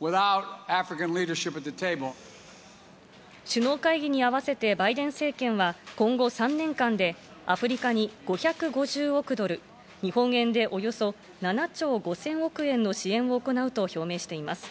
首脳会議に合わせてバイデン政権は今後３年間でアフリカに５５０億ドル、日本円でおよそ７兆５０００億円の支援を行うと表明しています。